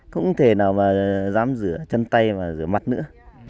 không thể nào mà dám rửa chân tay và rửa mặt nữa